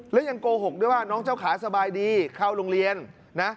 แล้วยังโกหกด้วยว่าน้องเจ้าขาสบายดีเข้าโรงเรียนนะ